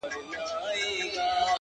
چي ستا تر تورو غټو سترگو اوښكي وڅڅيږي،